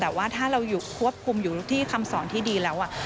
แต่ว่าถ้าเราอยู่ควบคุมอยู่ที่คำสอนที่ดีแล้ว